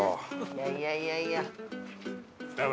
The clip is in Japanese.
いやいやいやいや！